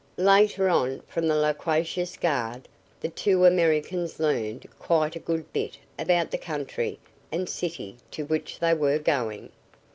Later on, from the loquacious guard, the two Americans learned quite a good bit about the country and city to which they were going.